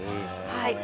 はい。